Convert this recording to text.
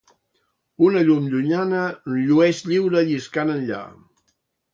Una llum llunyana llueix lliure lliscant enllà.